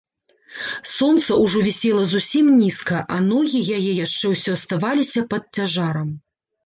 Сонца ўжо вісела зусім нізка, а ногі яе яшчэ ўсё аставаліся пад цяжарам.